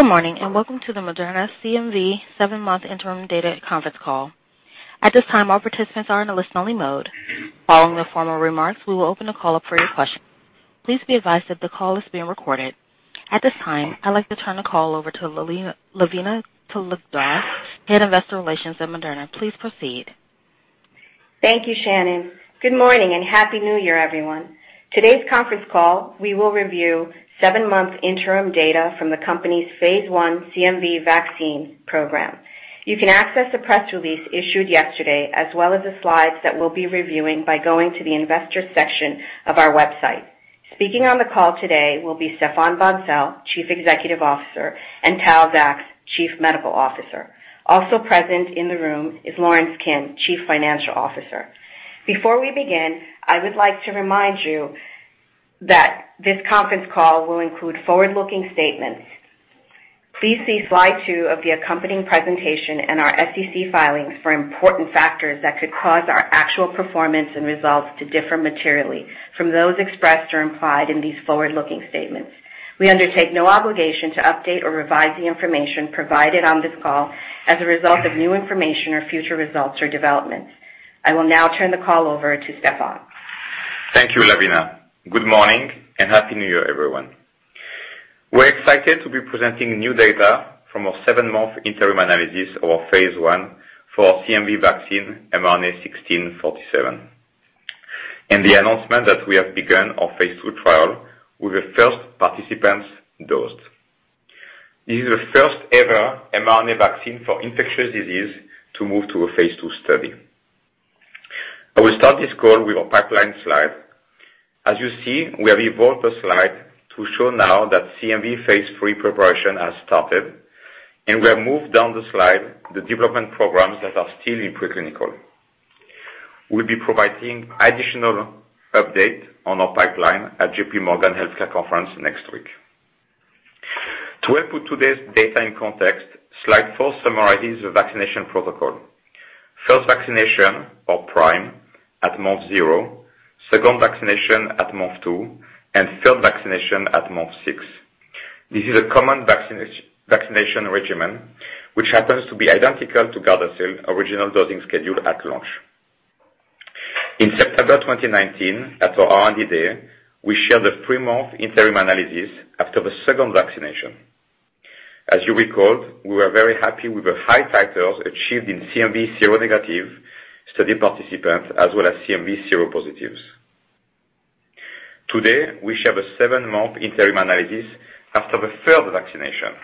Good morning, and welcome to the Moderna CMV seven-month interim data conference call. All participants are in a listen-only mode. Following the formal remarks, we will open the call up for your questions. Please be advised that the call is being recorded. I'd like to turn the call over to Lavina Talukdar, Head of Investor Relations at Moderna. Please proceed. Thank you, Shannon. Good morning, and happy New Year, everyone. Today's conference call, we will review seven months interim data from the company's phase I CMV vaccine program. You can access the press release issued yesterday, as well as the slides that we'll be reviewing, by going to the investor section of our website. Speaking on the call today will be Stéphane Bancel, Chief Executive Officer, and Tal Zaks, Chief Medical Officer. Also present in the room is Lorence Kim, Chief Financial Officer. Before we begin, I would like to remind you that this conference call will include forward-looking statements. Please see slide two of the accompanying presentation and our SEC filings for important factors that could cause our actual performance and results to differ materially from those expressed or implied in these forward-looking statements. We undertake no obligation to update or revise the information provided on this call as a result of new information or future results or developments. I will now turn the call over to Stéphane. Thank you, Lavina. Good morning, and happy New Year, everyone. We're excited to be presenting new data from our seven-month interim analysis of our phase I for CMV vaccine, mRNA-1647. In the announcement that we have begun our phase II trial with the first participants dosed. This is the first ever mRNA vaccine for infectious disease to move to a phase II study. I will start this call with our pipeline slide. As you see, we have evolved the slide to show now that CMV phase III preparation has started, and we have moved down the slide the development programs that are still in pre-clinical. We'll be providing additional update on our pipeline at J.P. Morgan Healthcare Conference next week. To help put today's data in context, slide four summarizes the vaccination protocol. First vaccination or prime at month 0, second vaccination at month 2, and third vaccination at month 6. This is a common vaccination regimen, which happens to be identical to Gardasil original dosing schedule at launch. In September 2019, at our R&D Day, we shared a three-month interim analysis after the second vaccination. As you recalled, we were very happy with the high titers achieved in CMV seronegative study participants as well as CMV seropositives. Today, we share the seven-month interim analysis after the third vaccination.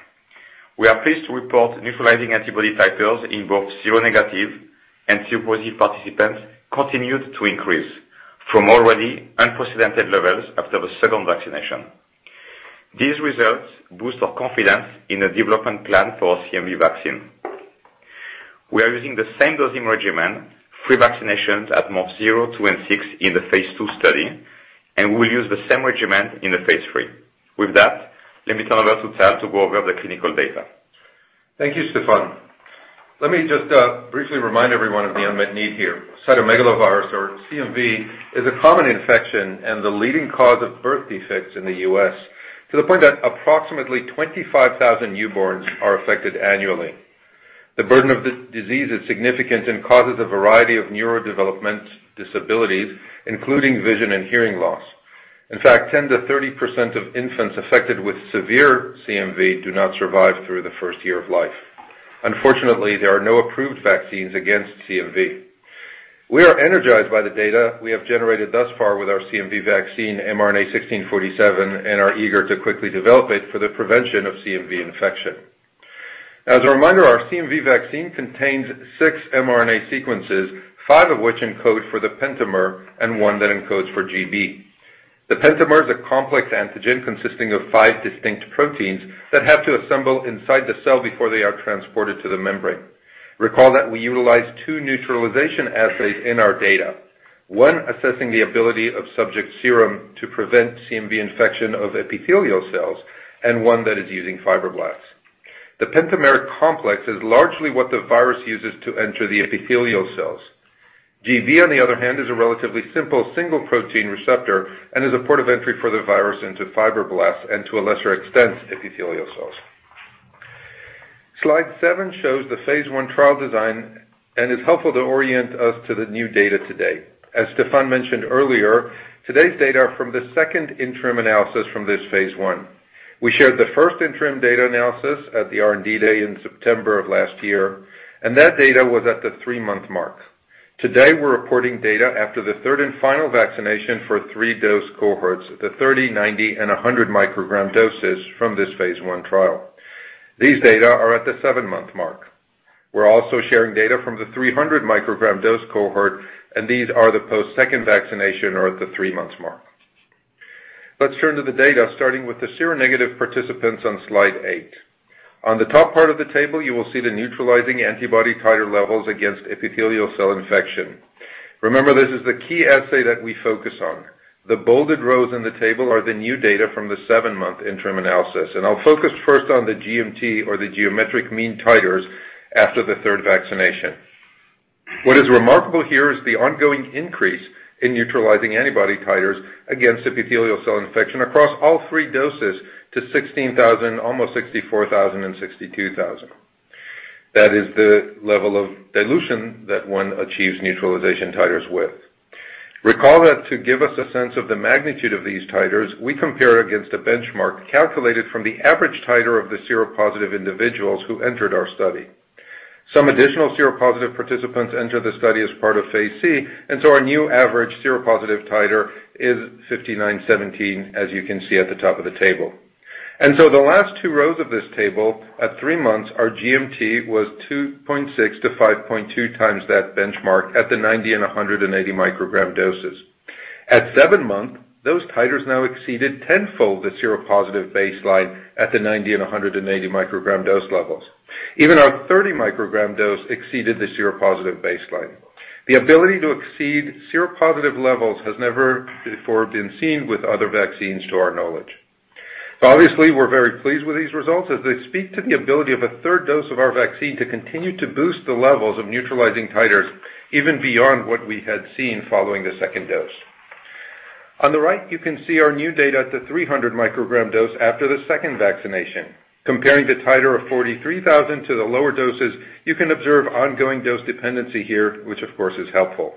We are pleased to report neutralizing antibody titers in both seronegative and seropositive participants continued to increase from already unprecedented levels after the second vaccination. These results boost our confidence in the development plan for our CMV vaccine. We are using the same dosing regimen, three vaccinations at month zero, two, and six in the phase II study, and we will use the same regimen in the phase III. With that, let me turn over to Tal to go over the clinical data. Thank you, Stéphane. Let me just briefly remind everyone of the unmet need here. Cytomegalovirus, or CMV, is a common infection and the leading cause of birth defects in the U.S., to the point that approximately 25,000 newborns are affected annually. The burden of this disease is significant and causes a variety of neurodevelopment disabilities, including vision and hearing loss. In fact, 10%-30% of infants affected with severe CMV do not survive through the first year of life. Unfortunately, there are no approved vaccines against CMV. We are energized by the data we have generated thus far with our CMV vaccine mRNA-1647 and are eager to quickly develop it for the prevention of CMV infection. As a reminder, our CMV vaccine contains six mRNA sequences, five of which encode for the pentamer, and one that encodes for gB. The pentamer is a complex antigen consisting of five distinct proteins that have to assemble inside the cell before they are transported to the membrane. Recall that we utilize two neutralization assays in our data. One assessing the ability of subject serum to prevent CMV infection of epithelial cells, and one that is using fibroblasts. The pentameric complex is largely what the virus uses to enter the epithelial cells. gB, on the other hand, is a relatively simple single protein receptor and is a port of entry for the virus into fibroblasts and to a lesser extent, epithelial cells. Slide seven shows the phase I trial design and is helpful to orient us to the new data today. As Stéphane mentioned earlier, today's data are from the second interim analysis from this phase I. We shared the first interim data analysis at the R&D Day in September of last year, and that data was at the three-month mark. Today, we're reporting data after the third and final vaccination for 3 dose cohorts, the 30, 90, and 100 microgram doses from this phase I trial. These data are at the seven-month mark. We're also sharing data from the 300 microgram dose cohort, and these are the post second vaccination or at the three-month mark. Let's turn to the data, starting with the seronegative participants on slide eight. On the top part of the table, you will see the neutralizing antibody titer levels against epithelial cell infection. Remember, this is the key assay that we focus on. The bolded rows in the table are the new data from the seven-month interim analysis. I'll focus first on the GMT or the geometric mean titers after the third vaccination. What is remarkable here is the ongoing increase in neutralizing antibody titers against epithelial cell infection across all three doses to 16,000, almost 64,000, and 62,000. That is the level of dilution that one achieves neutralization titers with. Recall that to give us a sense of the magnitude of these titers, we compare against a benchmark calculated from the average titer of the seropositive individuals who entered our study. Some additional seropositive participants entered the study as part of phase I-C, our new average seropositive titer is 5,917, as you can see at the top of the table. The last two rows of this table at three months, our GMT was 2.6 to 5.2 times that benchmark at the 90 and 180 microgram doses. At seven months, those titers now exceeded tenfold the seropositive baseline at the 90 and 180 microgram dose levels. Even our 30 microgram dose exceeded the seropositive baseline. The ability to exceed seropositive levels has never before been seen with other vaccines, to our knowledge. Obviously, we're very pleased with these results as they speak to the ability of a third dose of our vaccine to continue to boost the levels of neutralizing titers even beyond what we had seen following the second dose. On the right, you can see our new data at the 300 microgram dose after the second vaccination. Comparing the titer of 43,000 to the lower doses, you can observe ongoing dose dependency here, which of course is helpful.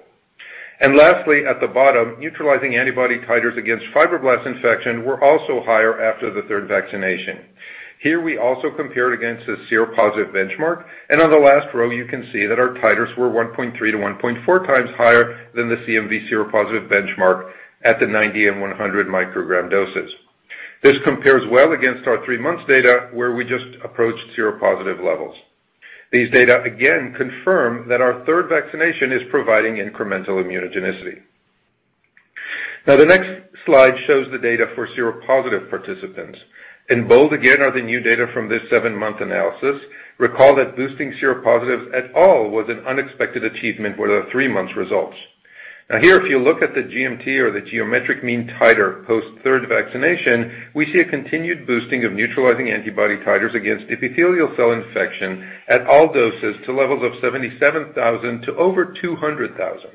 Lastly, at the bottom, neutralizing antibody titers against fibroblast infection were also higher after the third vaccination. Here we also compared against a seropositive benchmark, and on the last row, you can see that our titers were 1.3 to 1.4 times higher than the CMV seropositive benchmark at the 90 and 100 microgram doses. This compares well against our three-month data, where we just approached seropositive levels. These data again confirm that our third vaccination is providing incremental immunogenicity. Now, the next slide shows the data for seropositive participants. In bold, again, are the new data from this seven-month analysis. Recall that boosting seropositive at all was an unexpected achievement for the three months results. Now here, if you look at the GMT or the geometric mean titer post third vaccination, we see a continued boosting of neutralizing antibody titers against epithelial cell infection at all doses to levels of 77,000 to over 200,000.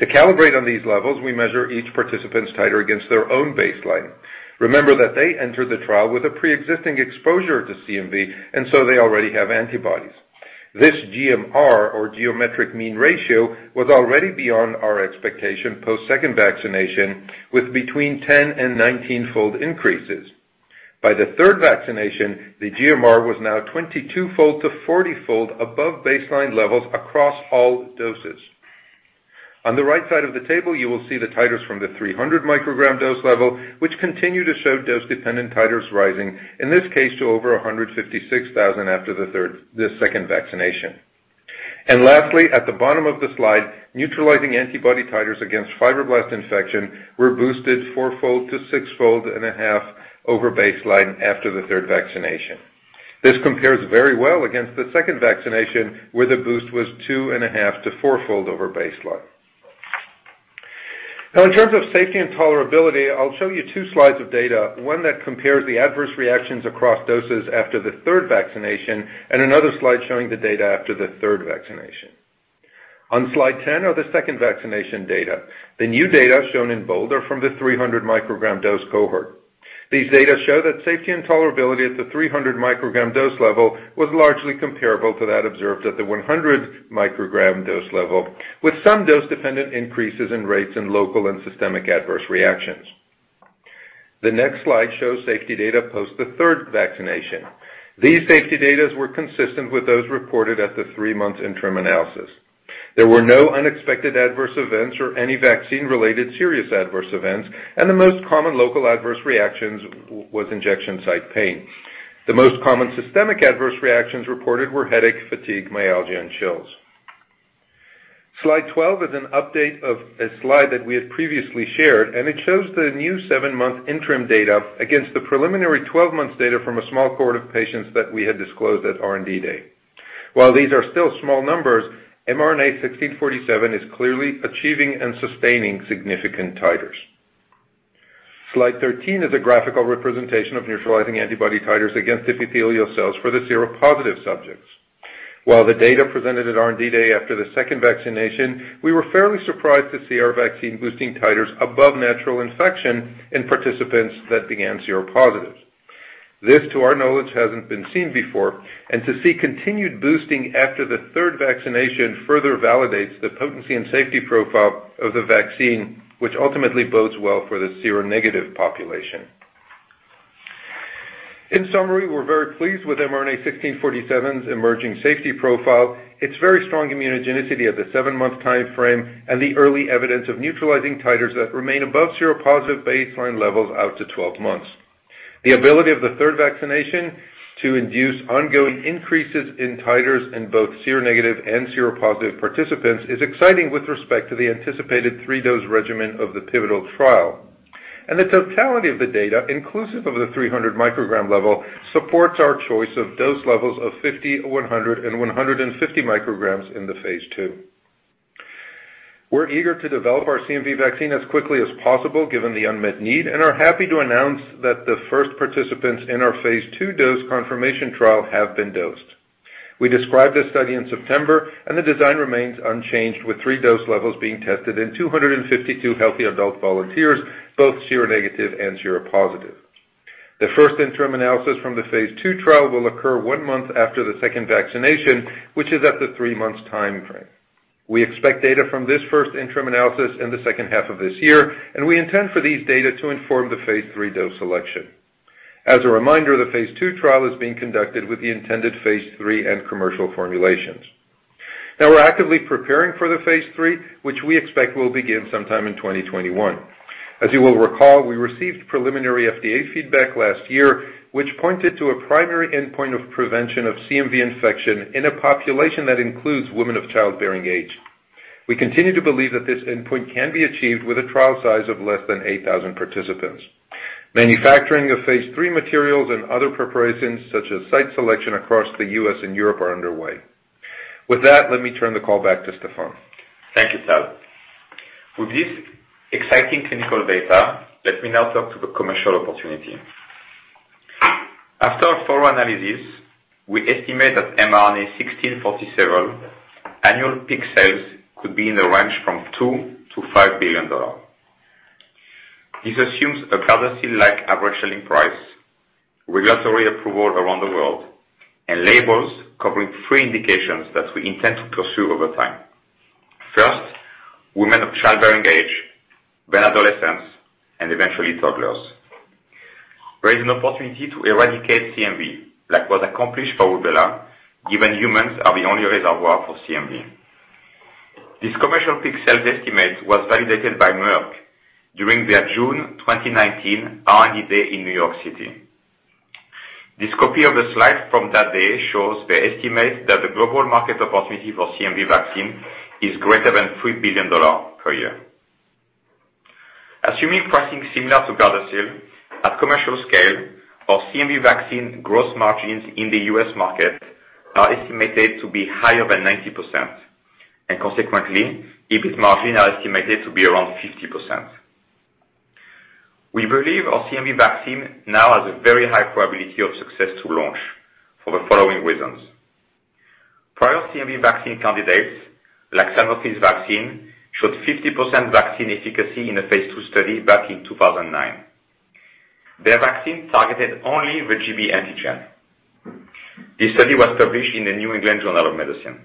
To calibrate on these levels, we measure each participant's titer against their own baseline. Remember that they entered the trial with a preexisting exposure to CMV, and so they already have antibodies. This GMR, or geometric mean ratio, was already beyond our expectation post second vaccination, with between 10 and 19-fold increases. By the third vaccination, the GMR was now 22-fold to 40-fold above baseline levels across all doses. On the right side of the table, you will see the titers from the 300 microgram dose level, which continue to show dose-dependent titers rising, in this case to over 156,000 after the second vaccination. Lastly, at the bottom of the slide, neutralizing antibody titers against fibroblast infection were boosted fourfold to sixfold and a half over baseline after the third vaccination. This compares very well against the second vaccination, where the boost was two and a half to fourfold over baseline. In terms of safety and tolerability, I'll show you two slides of data, one that compares the adverse reactions across doses after the third vaccination, and another slide showing the data after the third vaccination. On slide 10 are the second vaccination data. The new data shown in bold are from the 300 microgram dose cohort. These data show that safety and tolerability at the 300 microgram dose level was largely comparable to that observed at the 100 microgram dose level, with some dose-dependent increases in rates in local and systemic adverse reactions. The next slide shows safety data post the third vaccination. These safety data were consistent with those reported at the three-month interim analysis. There were no unexpected adverse events or any vaccine-related serious adverse events, and the most common local adverse reactions was injection site pain. The most common systemic adverse reactions reported were headache, fatigue, myalgia, and chills. Slide 12 is an update of a slide that we had previously shared, and it shows the new seven-month interim data against the preliminary 12-month data from a small cohort of patients that we had disclosed at R&D Day. While these are still small numbers, mRNA-1647 is clearly achieving and sustaining significant titers. Slide 13 is a graphical representation of neutralizing antibody titers against epithelial cells for the seropositive subjects. While the data presented at R&D Day after the second vaccination, we were fairly surprised to see our vaccine boosting titers above natural infection in participants that began seropositive. This, to our knowledge, hasn't been seen before, and to see continued boosting after the third vaccination further validates the potency and safety profile of the vaccine, which ultimately bodes well for the seronegative population. In summary, we're very pleased with mRNA-1647's emerging safety profile. Its very strong immunogenicity at the seven-month time frame and the early evidence of neutralizing titers that remain above seropositive baseline levels out to 12 months. The ability of the third vaccination to induce ongoing increases in titers in both seronegative and seropositive participants is exciting with respect to the anticipated three-dose regimen of the pivotal trial. The totality of the data, inclusive of the 300 microgram level, supports our choice of dose levels of 50, 100, and 150 micrograms in the phase II. We're eager to develop our CMV vaccine as quickly as possible given the unmet need, and are happy to announce that the first participants in our phase II dose confirmation trial have been dosed. We described this study in September, and the design remains unchanged, with 3 dose levels being tested in 252 healthy adult volunteers, both seronegative and seropositive. The first interim analysis from the phase II trial will occur 1 month after the second vaccination, which is at the 3 months timeframe. We expect data from this first interim analysis in the second half of this year, and we intend for these data to inform the phase III dose selection. As a reminder, the phase II trial is being conducted with the intended phase III and commercial formulations. Now we're actively preparing for the phase III, which we expect will begin sometime in 2021. As you will recall, we received preliminary FDA feedback last year, which pointed to a primary endpoint of prevention of CMV infection in a population that includes women of childbearing age. We continue to believe that this endpoint can be achieved with a trial size of less than 8,000 participants. Manufacturing of phase III materials and other preparations such as site selection across the U.S. and Europe are underway. With that, let me turn the call back to Stéphane. Thank you, Tal. With this exciting clinical data, let me now talk to the commercial opportunity. After our thorough analysis, we estimate that mRNA-1647 annual peak sales could be in the range from $2 billion-$5 billion. This assumes a Gardasil-like average selling price, regulatory approval around the world, and labels covering three indications that we intend to pursue over time. First, women of childbearing age, then adolescents, and eventually toddlers. There is an opportunity to eradicate CMV, like was accomplished for rubella, given humans are the only reservoir for CMV. This commercial peak sales estimate was validated by Merck during their June 2019 R&D Day in New York City. This copy of the slide from that day shows the estimate that the global market opportunity for CMV vaccine is greater than $3 billion per year. Assuming pricing similar to Gardasil, at commercial scale, our CMV vaccine gross margins in the U.S. market are estimated to be higher than 90%. Consequently, EBIT margin are estimated to be around 50%. We believe our CMV vaccine now has a very high probability of success to launch for the following reasons. Prior CMV vaccine candidates, like Sanofi's vaccine, showed 50% vaccine efficacy in a phase II study back in 2009. Their vaccine targeted only the gB antigen. This study was published in The New England Journal of Medicine.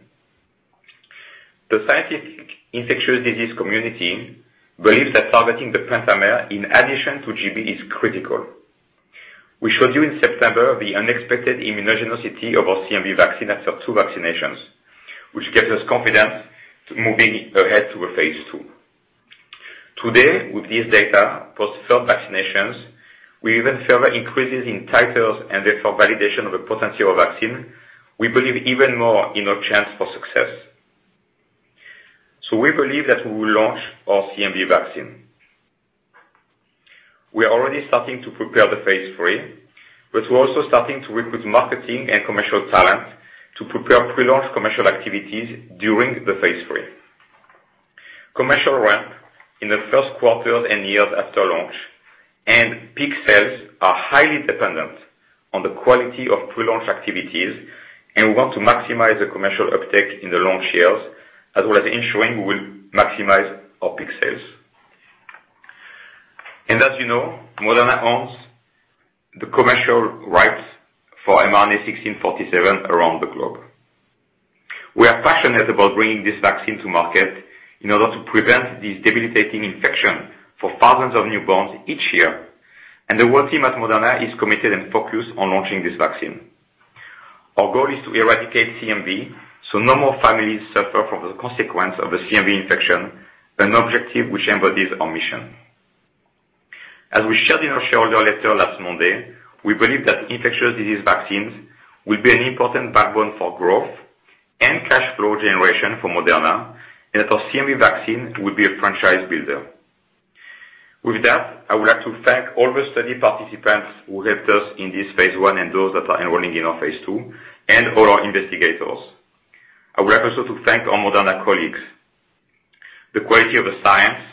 The scientific infectious disease community believes that targeting the pentamer in addition to gB is critical. We showed you in September the unexpected immunogenicity of our CMV vaccine after two vaccinations, which gives us confidence to moving ahead to a phase II. Today, with this data for third vaccinations, we even further increases in titers and therefore validation of a potential vaccine, we believe even more in our chance for success. We believe that we will launch our CMV vaccine. We are already starting to prepare the phase III, but we're also starting to recruit marketing and commercial talent to prepare pre-launch commercial activities during the phase III. Commercial ramp in the first quarter and years after launch and peak sales are highly dependent on the quality of pre-launch activities, and we want to maximize the commercial uptake in the launch years, as well as ensuring we will maximize our peak sales. As you know, Moderna owns the commercial rights for mRNA-1647 around the globe. We are passionate about bringing this vaccine to market in order to prevent this debilitating infection for thousands of newborns each year, and the whole team at Moderna is committed and focused on launching this vaccine. Our goal is to eradicate CMV so no more families suffer from the consequence of a CMV infection, an objective which embodies our mission. As we shared in our shareholder letter last Monday, we believe that infectious disease vaccines will be an important backbone for growth and cash flow generation for Moderna, and that our CMV vaccine will be a franchise builder. With that, I would like to thank all the study participants who helped us in this phase I and those that are enrolling in our phase II, and all our investigators. I would like also to thank our Moderna colleagues. The quality of the science,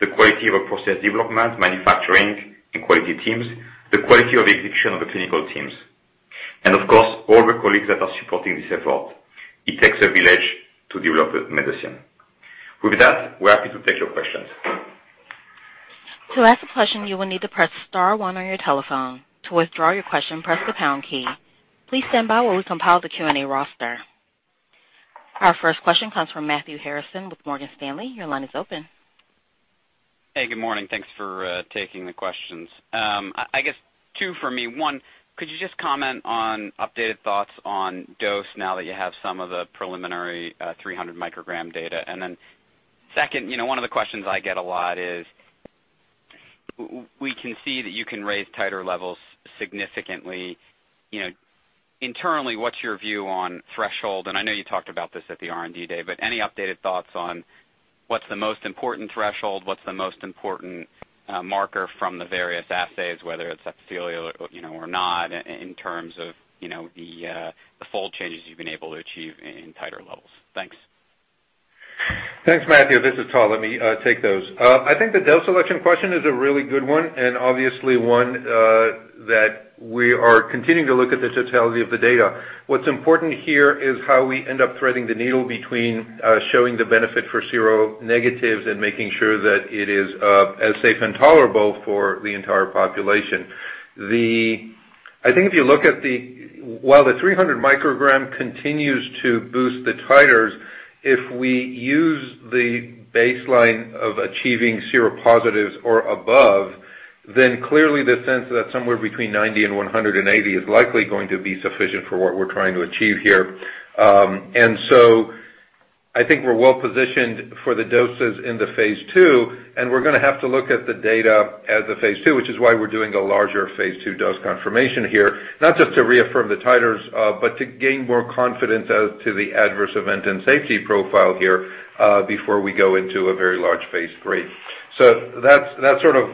the quality of our process development, manufacturing, and quality teams, the quality of execution of the clinical teams, and of course, all the colleagues that are supporting this effort. It takes a village to develop a medicine. With that, we're happy to take your questions. To ask a question, you will need to press *1 on your telephone. To withdraw your question, press the # key. Please stand by while we compile the Q&A roster. Our first question comes from Matthew Harrison with Morgan Stanley. Your line is open. Hey, good morning. Thanks for taking the questions. I guess two for me. One, could you just comment on updated thoughts on dose now that you have some of the preliminary 300 microgram data? Second, one of the questions I get a lot is, we can see that you can raise titer levels significantly. Internally, what's your view on threshold? I know you talked about this at the R&D Day, but any updated thoughts on what's the most important threshold, what's the most important marker from the various assays, whether it's epithelial or not, in terms of the fold changes you've been able to achieve in titer levels? Thanks. Thanks, Matthew. This is Tal. Let me take those. I think the dose selection question is a really good one, and obviously one that we are continuing to look at the totality of the data. What's important here is how we end up threading the needle between showing the benefit for seronegatives and making sure that it is as safe and tolerable for the entire population. I think if you look at while the 300 microgram continues to boost the titers, if we use the baseline of achieving seropositives or above, then clearly the sense that somewhere between 90 and 180 is likely going to be sufficient for what we're trying to achieve here. I think we're well-positioned for the doses in the phase II, and we're going to have to look at the data as a phase II, which is why we're doing a larger phase II dose confirmation here, not just to reaffirm the titers, but to gain more confidence as to the adverse event and safety profile here, before we go into a very large phase III. That's sort of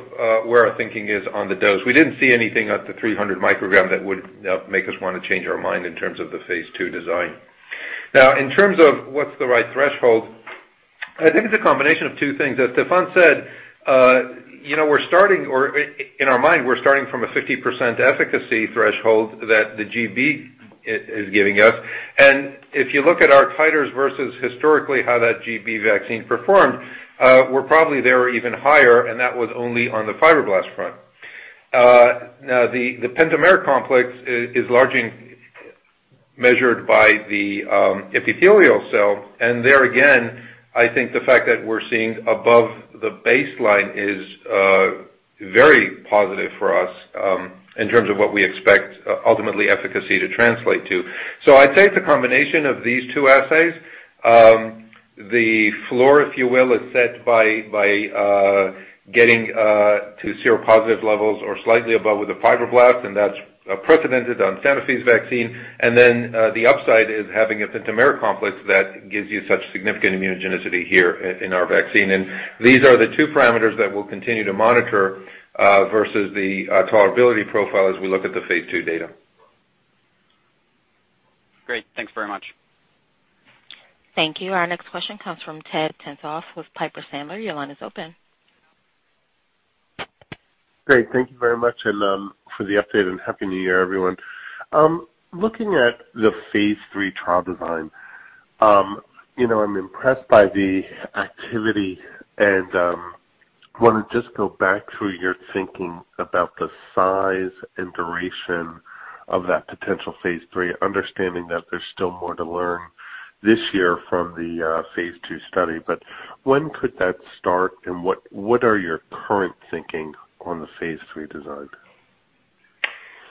where our thinking is on the dose. We didn't see anything at the 300 microgram that would make us want to change our mind in terms of the phase II design. Now, in terms of what's the right threshold, I think it's a combination of two things. As Stéphane said, in our mind, we're starting from a 50% efficacy threshold that the gB is giving us. If you look at our titers versus historically how that gB vaccine performed, we're probably there or even higher, and that was only on the fibroblast front. The pentameric complex is largely measured by the epithelial cell. There again, I think the fact that we're seeing above the baseline is very positive for us, in terms of what we expect, ultimately efficacy to translate to. I'd say it's a combination of these two assays. The floor, if you will, is set by getting to seropositive levels or slightly above with the fibroblasts, and that's precedented on Sanofi's vaccine. The upside is having a pentameric complex that gives you such significant immunogenicity here in our vaccine. These are the two parameters that we'll continue to monitor, versus the tolerability profile as we look at the phase II data. Great. Thanks very much. Thank you. Our next question comes from Ted Tenthoff with Piper Sandler. Your line is open. Great. Thank you very much for the update, happy New Year, everyone. Looking at the phase III trial design. I'm impressed by the activity and want to just go back through your thinking about the size and duration of that potential phase III, understanding that there's still more to learn this year from the phase II study. When could that start, and what are your current thinking on the phase III design?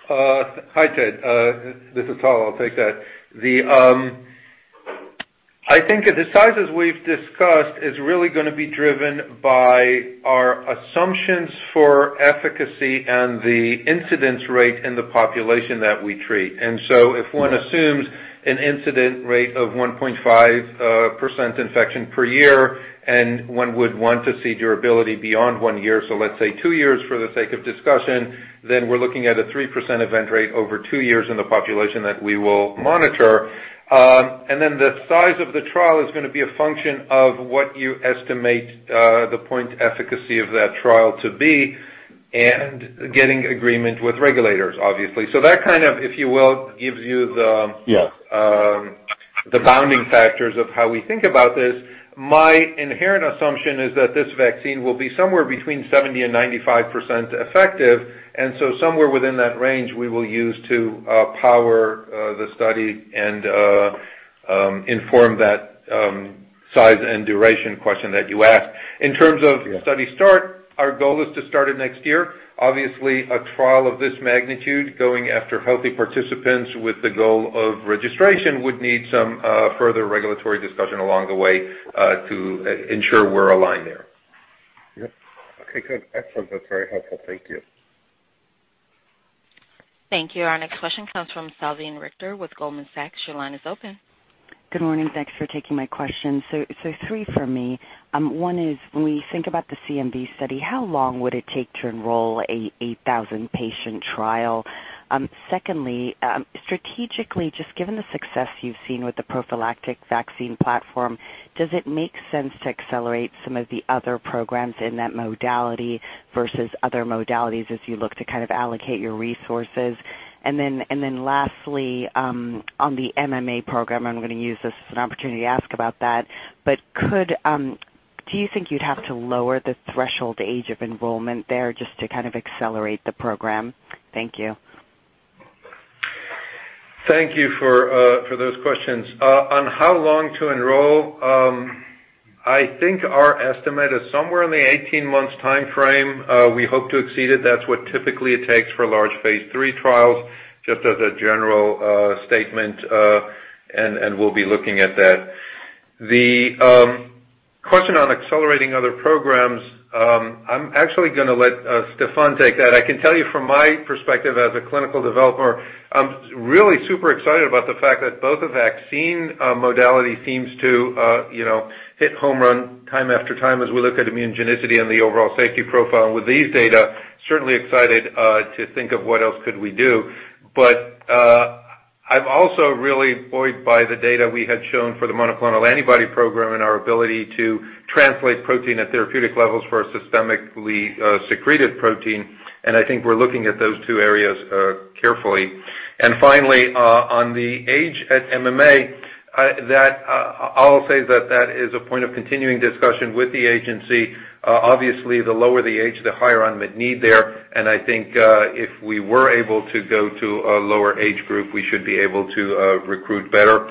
Hi, Ted. This is Tal. I'll take that. I think the sizes we've discussed is really going to be driven by our assumptions for efficacy and the incidence rate in the population that we treat. If one assumes an incident rate of 1.5% infection per year, and one would want to see durability beyond one year, so let's say two years for the sake of discussion, then we're looking at a 3% event rate over two years in the population that we will monitor. The size of the trial is going to be a function of what you estimate the point efficacy of that trial to be and getting agreement with regulators, obviously. Yeah the bounding factors of how we think about this. My inherent assumption is that this vaccine will be somewhere between 70 and 95% effective, and so somewhere within that range, we will use to power the study and inform that size and duration question that you asked. In terms of study start, our goal is to start it next year. Obviously, a trial of this magnitude, going after healthy participants with the goal of registration would need some further regulatory discussion along the way to ensure we're aligned there. Yep. Okay, good. Excellent. That's very helpful. Thank you. Thank you. Our next question comes from Salveen Richter with Goldman Sachs. Your line is open. Good morning. Thanks for taking my question. Three for me. One is, when we think about the CMV study, how long would it take to enroll a 8,000-patient trial? Secondly, strategically, just given the success you've seen with the prophylactic vaccine platform, does it make sense to accelerate some of the other programs in that modality versus other modalities as you look to allocate your resources? Lastly, on the MMA program, I'm going to use this as an opportunity to ask about that, but do you think you'd have to lower the threshold age of enrollment there just to accelerate the program? Thank you. Thank you for those questions. On how long to enroll, I think our estimate is somewhere in the 18 months timeframe. We hope to exceed it. That's what typically it takes for large phase III trials, just as a general statement, and we'll be looking at that. The question on accelerating other programs, I'm actually going to let Stéphane take that. I can tell you from my perspective as a clinical developer, I'm really super excited about the fact that both the vaccine modality seems to hit home run time after time as we look at immunogenicity and the overall safety profile. With these data, certainly excited to think of what else could we do. I'm also really buoyed by the data we had shown for the monoclonal antibody program and our ability to translate protein at therapeutic levels for a systemically secreted protein. I think we're looking at those two areas carefully. Finally, on the age at MMA, I'll say that is a point of continuing discussion with the agency. Obviously, the lower the age, the higher unmet need there. I think if we were able to go to a lower age group, we should be able to recruit better.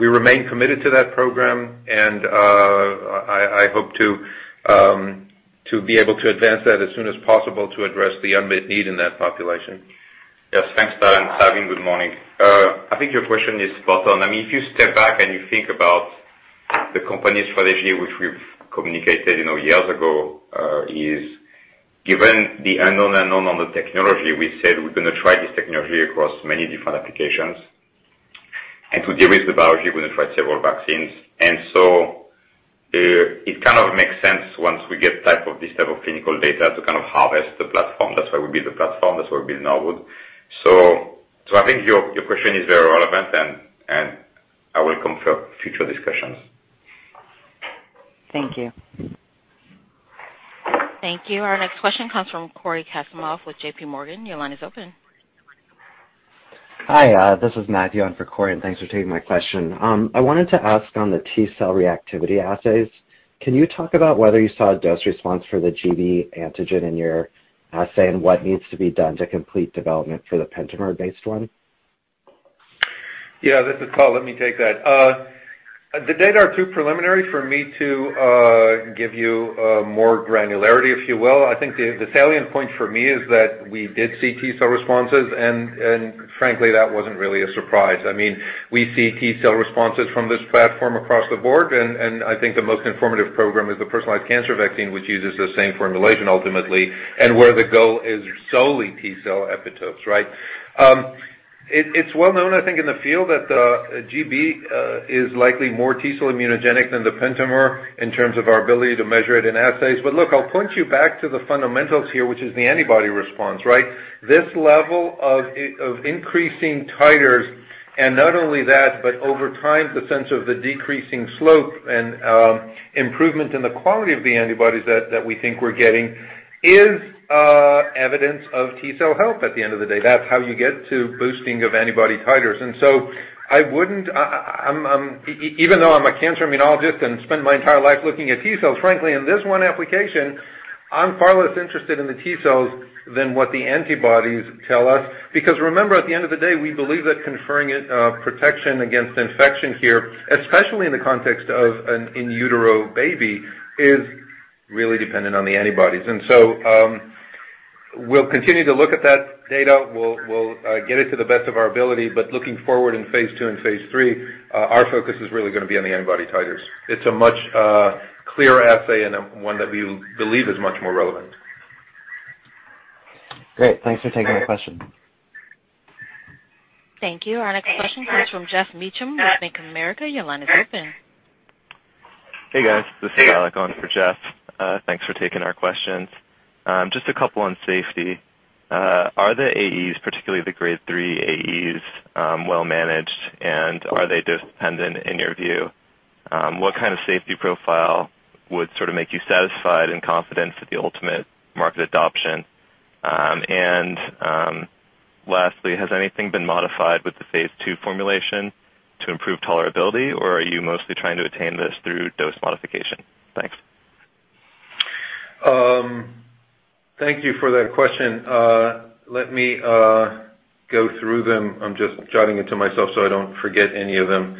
We remain committed to that program, and I hope to be able to advance that as soon as possible to address the unmet need in that population. Yes. Thanks, Tal. Salveen, good morning. I think your question is spot on. If you step back and you think about the company strategy, which we've communicated years ago, is given the unknown unknown on the technology, we said we're going to try this technology across many different applications. To de-risk the biology, we're going to try several vaccines. It kind of makes sense once we get this type of clinical data to kind of harvest the platform. That's why we build the platform. That's why we build Norwood. I think your question is very relevant, and I will confirm future discussions. Thank you. Thank you. Our next question comes from Cory Kasimov with J.P. Morgan. Your line is open. Hi, this is Matthew on for Cory, and thanks for taking my question. I wanted to ask on the T-cell reactivity assays. Can you talk about whether you saw a dose response for the gB antigen in your assay, and what needs to be done to complete development for the pentamer-based one? This is Tal. Let me take that. The data are too preliminary for me to give you more granularity, if you will. I think the salient point for me is that we did see T-cell responses, frankly, that wasn't really a surprise. We see T-cell responses from this platform across the board, I think the most informative program is the personalized cancer vaccine, which uses the same formulation ultimately, and where the goal is solely T-cell epitopes, right? It's well known, I think, in the field that the gB is likely more T-cell immunogenic than the pentamer in terms of our ability to measure it in assays. Look, I'll point you back to the fundamentals here, which is the antibody response, right? This level of increasing titers, and not only that, but over time, the sense of the decreasing slope and improvement in the quality of the antibodies that we think we're getting is evidence of T-cell health at the end of the day. That's how you get to boosting of antibody titers. Even though I'm a cancer immunologist and spend my entire life looking at T-cells, frankly, in this one application, I'm far less interested in the T-cells than what the antibodies tell us. Remember, at the end of the day, we believe that conferring protection against infection here, especially in the context of an in utero baby, is really dependent on the antibodies. We'll continue to look at that data. We'll get it to the best of our ability, but looking forward in phase II and phase III, our focus is really going to be on the antibody titers. It's a much clearer assay and one that we believe is much more relevant. Great. Thanks for taking my question. Thank you. Our next question comes from Geoff Meacham with Bank of America. Your line is open. Hey, guys. This is Alec on for Geoff. Thanks for taking our questions. Just a couple on safety. Are the AEs, particularly the Grade 3 AEs, well managed, and are they dose dependent in your view? What kind of safety profile would sort of make you satisfied and confident for the ultimate market adoption? Lastly, has anything been modified with the phase II formulation to improve tolerability, or are you mostly trying to attain this through dose modification? Thanks. Thank you for that question. Let me go through them. I'm just jotting it to myself so I don't forget any of them.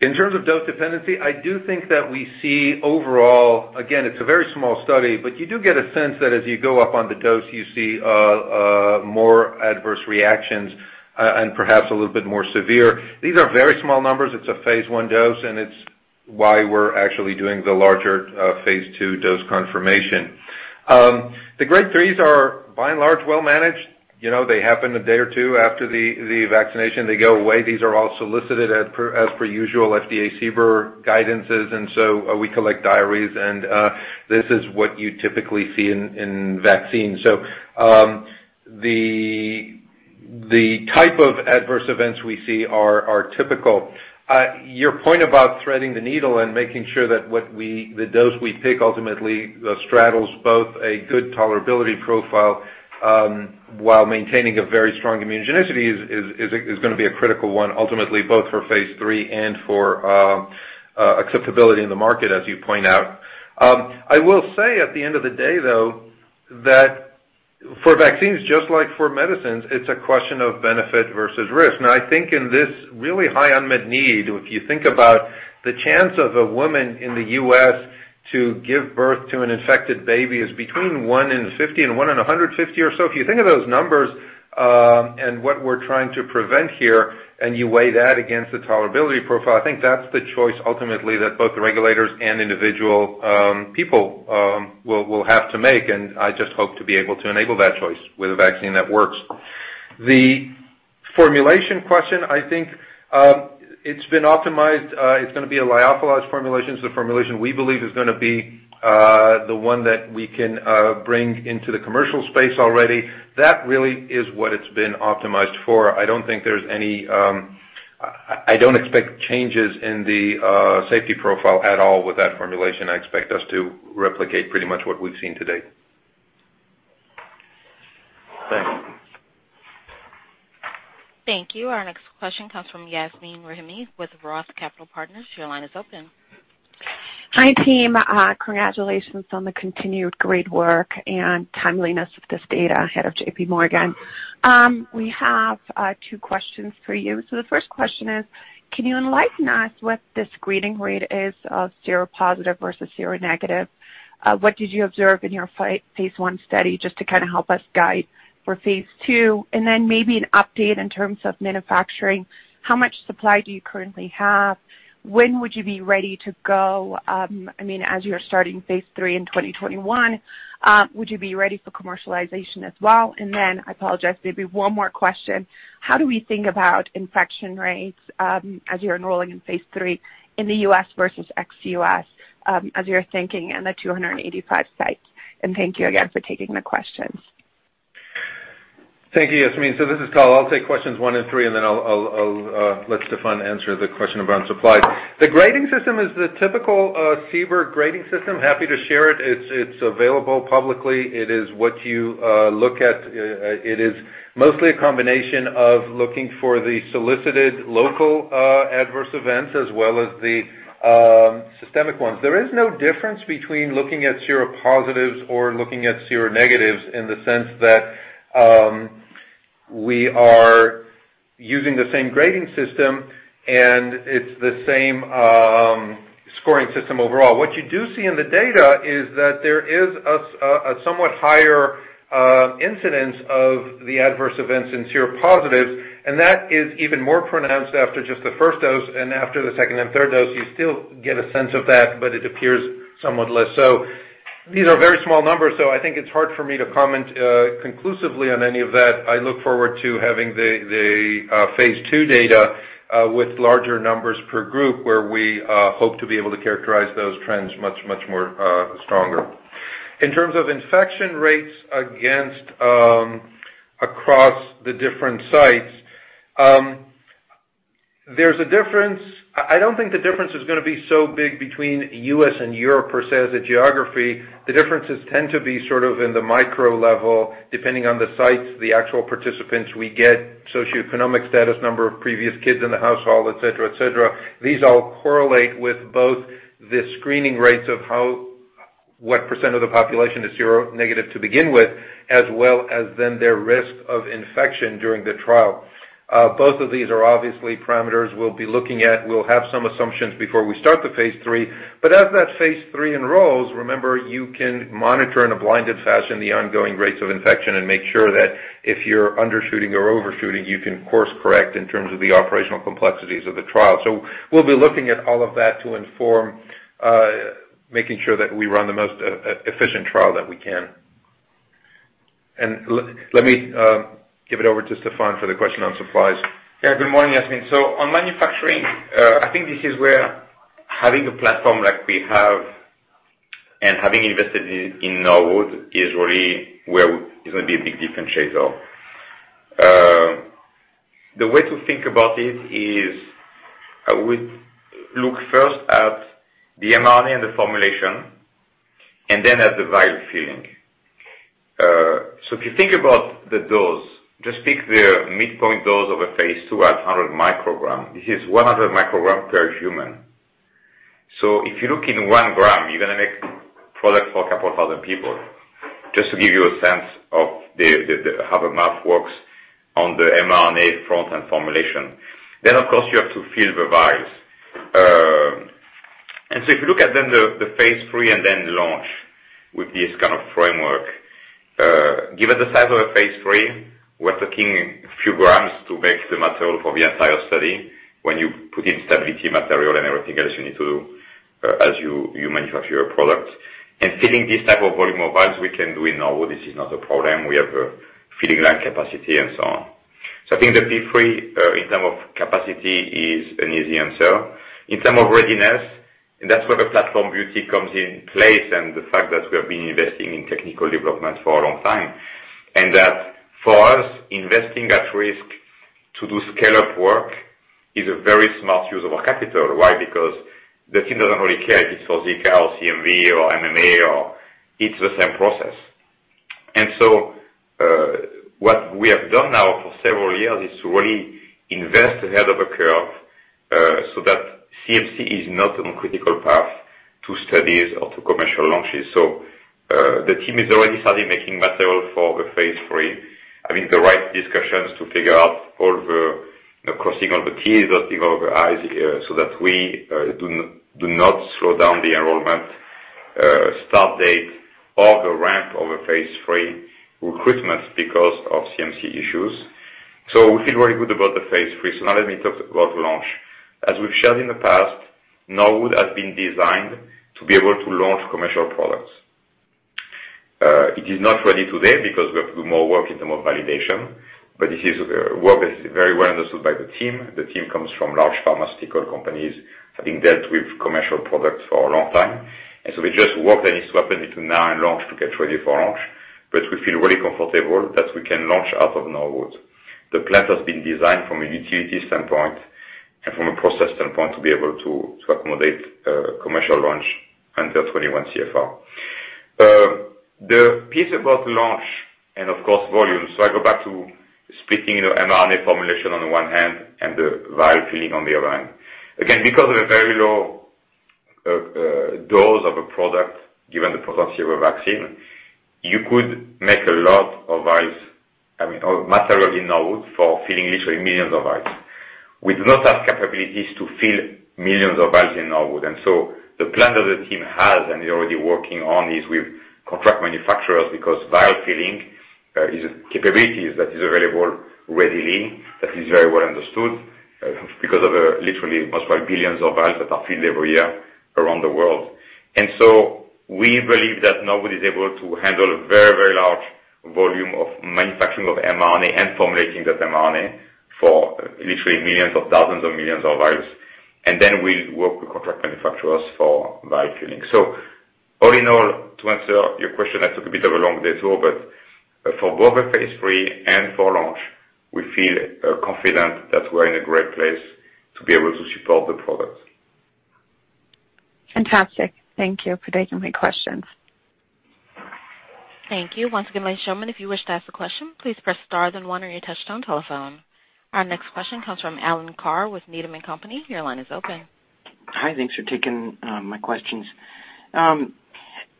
In terms of dose dependency, I do think that we see overall, again, it's a very small study, but you do get a sense that as you go up on the dose, you see more adverse reactions, and perhaps a little bit more severe. These are very small numbers. It's a phase I dose, and it's why we're actually doing the larger phase II dose confirmation. The Grade 3s are by and large, well managed. They happen a day or two after the vaccination. They go away. These are all solicited as per usual FDA CBER guidances, and so we collect diaries, and this is what you typically see in vaccines. The type of adverse events we see are typical. Your point about threading the needle and making sure that the dose we pick ultimately straddles both a good tolerability profile while maintaining a very strong immunogenicity is going to be a critical one ultimately, both for phase III and for acceptability in the market, as you point out. I will say at the end of the day, though, that for vaccines, just like for medicines, it's a question of benefit versus risk. I think in this really high unmet need, if you think about the chance of a woman in the U.S. to give birth to an infected baby is between one in 50 and one in 150 or so. If you think of those numbers and what we're trying to prevent here, and you weigh that against the tolerability profile, I think that's the choice ultimately that both the regulators and individual people will have to make, and I just hope to be able to enable that choice with a vaccine that works. The formulation question, I think it's been optimized. It's going to be a lyophilized formulation. It's the formulation we believe is going to be the one that we can bring into the commercial space already. That really is what it's been optimized for. I don't expect changes in the safety profile at all with that formulation. I expect us to replicate pretty much what we've seen to date. Thanks. Thank you. Our next question comes from Yasmeen Rahimi with Roth Capital Partners. Your line is open. Hi, team. Congratulations on the continued great work and timeliness of this data ahead of J.P. Morgan. We have two questions for you. The first question is, can you enlighten us what the screening rate is of seropositive versus seronegative? What did you observe in your phase I study just to kind of help us guide for phase II? Maybe an update in terms of manufacturing. How much supply do you currently have? When would you be ready to go? As you're starting phase III in 2021, would you be ready for commercialization as well? I apologize, maybe one more question. How do we think about infection rates as you're enrolling in phase III in the U.S. versus ex-U.S. as you're thinking in the 285 sites? Thank you again for taking the questions. Thank you, Yasmeen. This is Tal. I'll take questions one and three, and then I'll let Stéphane answer the question around supply. The grading system is the typical CBER grading system. Happy to share it. It's available publicly. It is what you look at. It is mostly a combination of looking for the solicited local adverse events as well as the systemic ones. There is no difference between looking at seropositives or looking at seronegatives in the sense that we are using the same grading system and it's the same scoring system overall. What you do see in the data is that there is a somewhat higher incidence of the adverse events in seropositives, and that is even more pronounced after just the first dose, and after the second and third dose, you still get a sense of that, but it appears somewhat less so. These are very small numbers, so I think it's hard for me to comment conclusively on any of that. I look forward to having the phase II data with larger numbers per group where we hope to be able to characterize those trends much, much more stronger. In terms of infection rates across the different sites, I don't think the difference is going to be so big between U.S. and Europe per se as a geography. The differences tend to be sort of in the micro level, depending on the sites, the actual participants we get, socioeconomic status, number of previous kids in the household, et cetera. These all correlate with both the screening rates of what percent of the population is seronegative to begin with, as well as then their risk of infection during the trial. Both of these are obviously parameters we'll be looking at. We'll have some assumptions before we start the phase III. As that phase III enrolls, remember, you can monitor in a blinded fashion the ongoing rates of infection and make sure that if you're undershooting or overshooting, you can course correct in terms of the operational complexities of the trial. We'll be looking at all of that to inform making sure that we run the most efficient trial that we can. Let me give it over to Stéphane for the question on supplies. Yeah, good morning, Yasmeen. On manufacturing, I think this is where having a platform like we have and having invested in Norwood is really where it's going to be a big differentiator. The way to think about it is I would look first at the mRNA and the formulation, and then at the vial filling. If you think about the dose, just pick the midpoint dose of a phase II at 100 microgram. This is 100 microgram per human. If you look in one gram, you're going to make product for a couple of thousand people. Just to give you a sense of how the math works on the mRNA front and formulation. Of course, you have to fill the vials. If you look at then the phase III and then launch with this kind of framework. Given the size of a phase III, we're taking a few grams to make the material for the entire study when you put in stability material and everything else you need to do as you manufacture your product. Filling this type of volume of vials, we can do in Norwood. This is not a problem. We have a filling line capacity and so on. I think the phase III, in terms of capacity is an easy answer. In terms of readiness, that's where the platform beauty comes in place and the fact that we have been investing in technical development for a long time. That for us, investing at risk to do scale-up work is a very smart use of our capital. Why? Because the team doesn't really care if it's for Zika or CMV or MMA. It's the same process. What we have done now for several years is to really invest ahead of the curve so that CMC is not on critical path to studies or to commercial launches. The team is already starting making material for the phase III. Having the right discussions to figure out all the crossing all the T's, dotting all the I's so that we do not slow down the enrollment start date or the ramp of a phase III recruitment because of CMC issues. We feel very good about the phase III. Now let me talk about launch. As we've shared in the past, Norwood has been designed to be able to launch commercial products. It is not ready today because we have to do more work in term of validation, but this is work that is very well understood by the team. The team comes from large pharmaceutical companies, having dealt with commercial products for a long time. There's just work that needs to happen between now and launch to get ready for launch. We feel really comfortable that we can launch out of Norwood. The plant has been designed from a utility standpoint and from a process standpoint, to be able to accommodate commercial launch under 21 CFR. The piece about launch and of course volume. I go back to splitting the mRNA formulation on the one hand and the vial filling on the other hand. Because of a very low dose of a product, given the potency of a vaccine, you could make a lot of materials in Norwood for filling literally millions of vials. We do not have capabilities to fill millions of vials in Norwood. The plan that the team has and is already working on is with contract manufacturers, because vial filling is a capability that is available readily, that is very well understood because of literally multiplied billions of vials that are filled every year around the world. We believe that Norwood is able to handle a very large volume of manufacturing of mRNA and formulating that mRNA for literally millions of thousands of millions of vials. We'll work with contract manufacturers for vial filling. All in all, to answer your question, I took a bit of a long detour, but for both the phase III and for launch, we feel confident that we're in a great place to be able to support the product. Fantastic. Thank you for taking my questions. Thank you. Once again, ladies and gentlemen, if you wish to ask a question, please press star then one on your touchtone telephone. Our next question comes from Alan Carr with Needham & Company. Your line is open. Hi, thanks for taking my questions.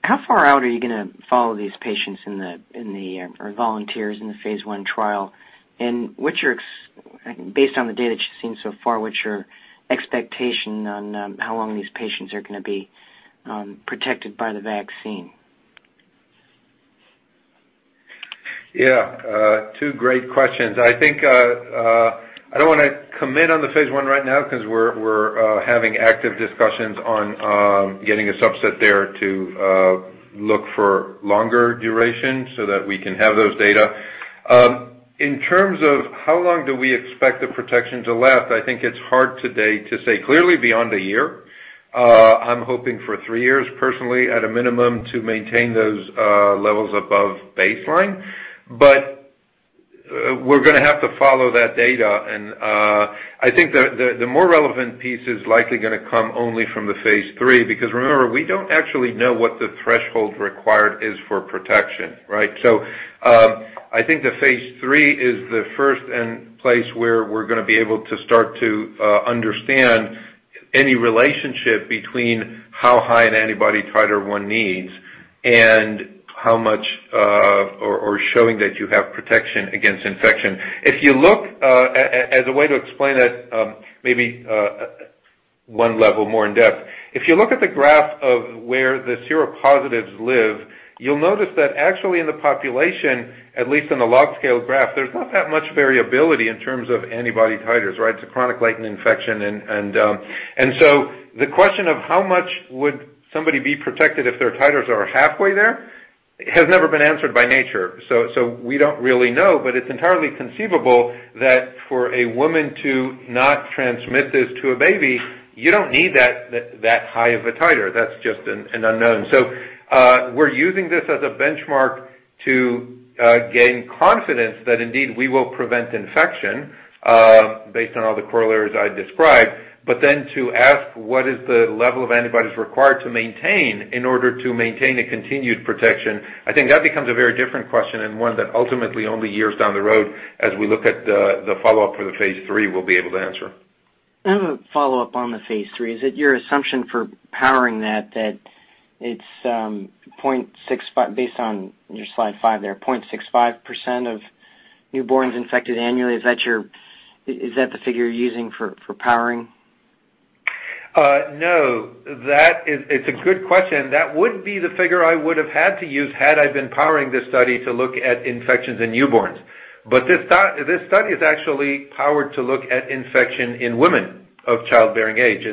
How far out are you going to follow these patients or volunteers in the phase I trial? Based on the data that you've seen so far, what's your expectation on how long these patients are going to be protected by the vaccine? Yeah, two great questions. I think I don't want to commit on the phase I right now because we're having active discussions on getting a subset there to look for longer duration so that we can have those data. In terms of how long do we expect the protection to last, I think it's hard today to say. Clearly beyond a year. I'm hoping for three years personally, at a minimum, to maintain those levels above baseline. We're going to have to follow that data. I think the more relevant piece is likely going to come only from the phase III, because remember, we don't actually know what the threshold required is for protection, right? I think the phase III is the first place where we're going to be able to start to understand any relationship between how high an antibody titer one needs and how much or showing that you have protection against infection. As a way to explain that maybe one level more in depth, if you look at the graph of where the seropositives live, you'll notice that actually in the population, at least in the log scale graph, there's not that much variability in terms of antibody titers, right? It's a chronic latent infection. The question of how much would somebody be protected if their titers are halfway there has never been answered by nature. We don't really know. It's entirely conceivable that for a woman to not transmit this to a baby, you don't need that high of a titer. That's just an unknown. We're using this as a benchmark to gain confidence that indeed we will prevent infection based on all the correlators I described. To ask what is the level of antibodies required to maintain in order to maintain a continued protection, I think that becomes a very different question and one that ultimately only years down the road as we look at the follow up for the phase III, we'll be able to answer. I have a follow up on the phase III. Is it your assumption for powering that it's based on your slide five there, 0.65% of newborns infected annually? Is that the figure you're using for powering? No. It's a good question. That would be the figure I would have had to use had I been powering this study to look at infections in newborns. This study is actually powered to look at infection in women of childbearing age.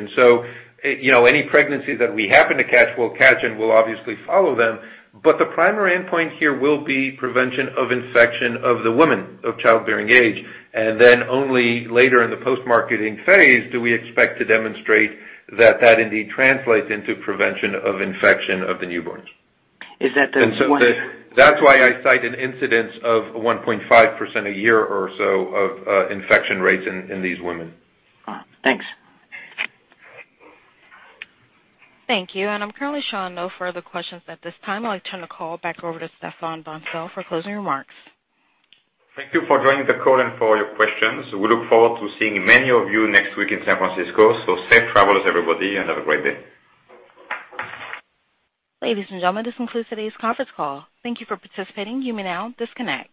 Any pregnancies that we happen to catch, we'll catch and we'll obviously follow them. The primary endpoint here will be prevention of infection of the women of childbearing age. Only later in the post-marketing phase do we expect to demonstrate that that indeed translates into prevention of infection of the newborns. Is that the one- That's why I cited incidence of 1.5% a year or so of infection rates in these women. Thanks. Thank you. I'm currently showing no further questions at this time. I'll turn the call back over to Stéphane Bancel for closing remarks. Thank you for joining the call and for all your questions. We look forward to seeing many of you next week in San Francisco. Safe travels, everybody, and have a great day. Ladies and gentlemen, this concludes today's conference call. Thank you for participating. You may now disconnect.